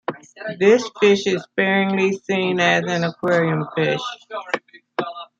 This fish is sparingly seen as an aquarium fish.